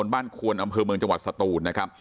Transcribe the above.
บ้านควนบจังหวัดสะตูนนะครับ